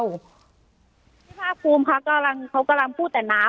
พี่ภาคภูมิค่ะกำลังเขากำลังพูดแต่น้ำ